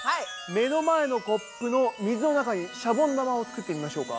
目の前のコップの水の中にシャボン玉を作ってみましょうか。